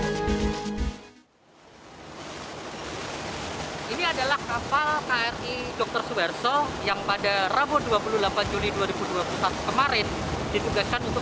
hai ini adalah kapal kri dokter suwerso yang pada rabu dua puluh delapan juli dua ribu dua puluh satu kemarin ditugaskan untuk